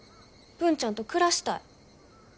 文ちゃんと暮らしたい。